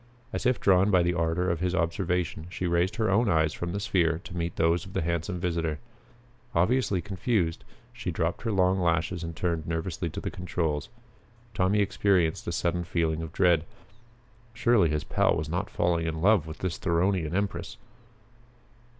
As if drawn by the ardor of his observation, she raised her own eyes from the sphere to meet those of the handsome visitor. Obviously confused, she dropped her long lashes and turned nervously to the controls. Tommy experienced a sudden feeling of dread. Surely his pal was not falling in love with this Theronian empress!